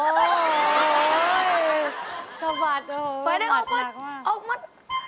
ลุยว่าสมัครมากว่าไปเล็งออกมัด